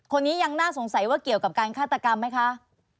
ยังน่าสงสัยว่าเกี่ยวกับการฆาตกรรมไหมคะ